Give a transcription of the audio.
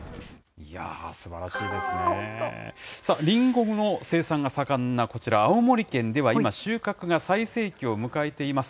りんごの生産が盛んなこちら、青森県では今、収穫が最盛期を迎えています。